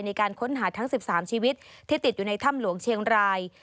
ในการค้นหาทั้ง๑๓ชีวิตที่ติดอยู่ในถ้ำหลวงเชียงราย